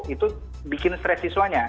itu bikin stres siswanya